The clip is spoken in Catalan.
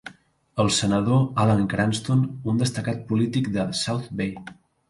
El senador Alan Cranston, un destacat polític de South Bay.